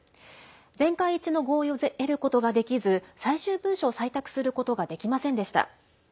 全会一致の合意を得ることができず最終文書を採択することができませんでした。